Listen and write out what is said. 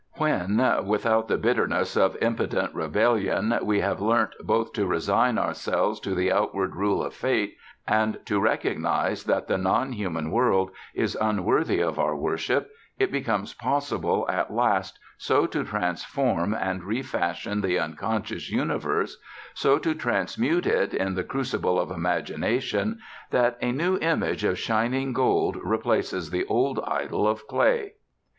When, without the bitterness of impotent rebellion, we have learnt both to resign ourselves to the outward rule of Fate and to recognize that the non human world is unworthy of our worship, it becomes possible at last so to transform and refashion the unconscious universe, so to transmute it in the crucible of imagination, that a new image of shining gold replaces the old idol of clay.